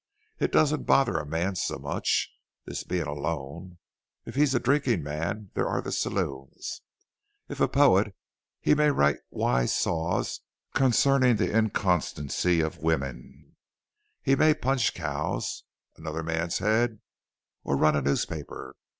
"It doesn't bother a man so much this being alone. If he is a drinking man there are the saloons; if a poet he may write wise saws concerning the inconstancy of women; he may punch cows, another man's head or run a newspaper.